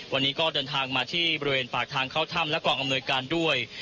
วันนี้ก็เดินทางมาที่บริเวณปากทางเข้าถ้ำและกองอำนวยการด้วย